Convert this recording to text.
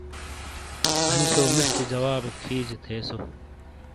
انی سو مِشٹی جوابیک ہِیجے تھے سو۔